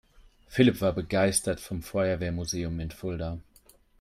Philipp war begeistert vom Feuerwehrmuseum in Fulda.